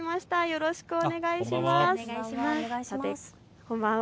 よろしくお願いします。